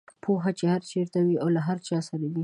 پوهه چې هر چېرته او له هر چا سره وي.